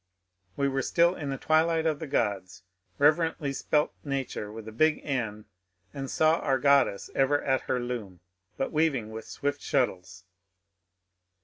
We were still in the Twilight of the Gods, reverently spelt nature with a big N, and saw our goddess ever at her loom, but weaving with swift shuttles.